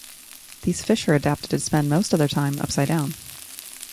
These fish are adapted to spend most of their time upside-down.